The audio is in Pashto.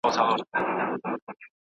تياره يوازې په رڼا له منځه ځي.